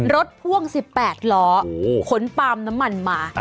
พ่วง๑๘ล้อขนปาล์มน้ำมันมา